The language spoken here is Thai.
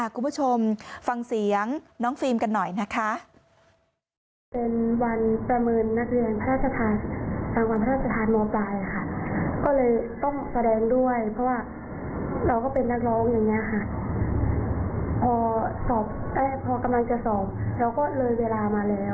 คุณผู้ชมฟังเสียงน้องฟิล์มกันหน่อยนะคะ